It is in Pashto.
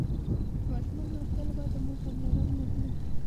د ماشومانو د روغتيا لپاره د مور پاملرنه مهمه ده.